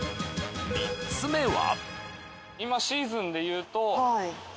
３つ目は。